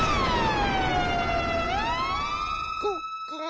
ゴックン。